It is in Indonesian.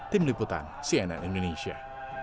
tim liputan cnn indonesia